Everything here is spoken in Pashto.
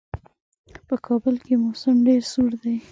په کابل کې موسم ډېر سوړ دی.